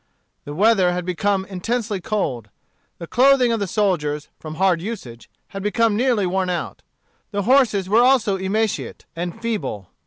The weather had become intensely cold. The clothing of the soldiers, from hard usage, had become nearly worn out. The horses were also emaciate and feeble.